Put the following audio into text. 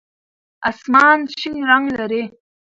آسمان شین رنګ لري.